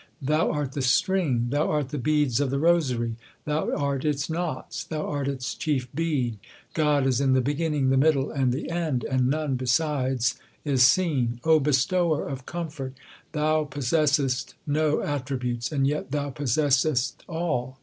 Thou art the string, Thou art the beads of the rosary, Thou art its knots, Thou art its chief bead. God is in the beginning, the middle, and the end, and none besides is seen. Bestower of comfort, Thou possessest no attributes, and yet Thou possessest all.